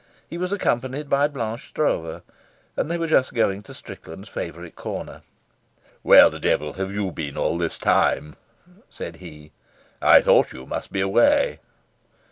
He was accompanied by Blanche Stroeve, and they were just going to Strickland's favourite corner. "Where the devil have you been all this time?" said he. "I thought you must be away."